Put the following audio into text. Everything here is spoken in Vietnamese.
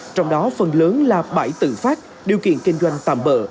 trong đó phần lớn là bãi tự phát điều kiện kinh doanh tạm bỡ